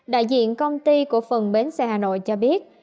đại diện công ty của phần bến xe hà nội cho biết